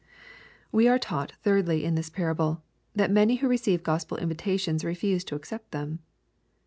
We are taught, thirdly, in this parable, that many who receive Gospel invitations refuse to accept them.